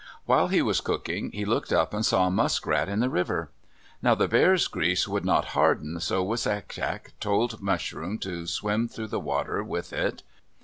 While he was cooking, he looked up and saw Muskrat in the river. Now the bear's grease would not harden, so Wisagatcak told Muskrat to swim through the water with it.